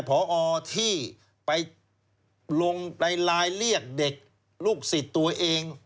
พอที่ไปลงในรายเรียกเด็กลูกสิทธิ์ตัวเอง